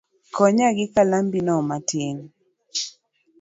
Konya gi kalambi no matin